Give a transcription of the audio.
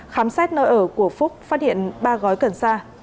khám xét nơi ở của phúc phát hiện ba gói cần sa